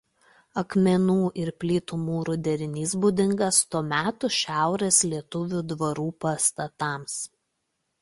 Akmenų ir plytų mūro derinys būdingas to meto šiaurės Lietuvos dvarų pastatams.